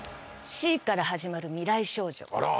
「Ｃ」から始まる未来少女あら